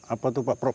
apa itu pak prof